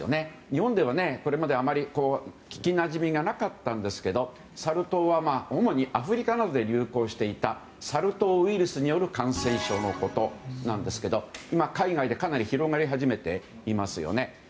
日本ではこれまで、あまり聞きなじみがなかったんですがサル痘は主にアフリカなどで流行していたサル痘ウイルスによる感染症のことなんですけど今、海外でかなり広がり始めていますよね。